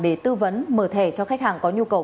để tư vấn mở thẻ cho khách hàng có nhu cầu